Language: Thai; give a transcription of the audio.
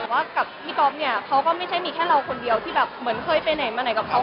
แต่ว่ากับพี่ก๊อปเนี่ยเขาก็ไม่ใช่มีแค่เราคนเดียวที่แบบเหมือนเคยไปไหนมาไหนกับเขา